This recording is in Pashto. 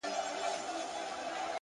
زما زما د ژوند لپاره ژوند پرې ايښی;